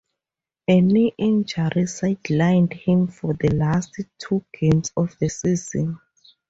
A knee injury sidelined him for the last two games of the season.